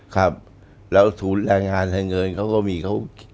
ครับแล้วศูนย์แรงงานแรงเงินเขาก็มีเขา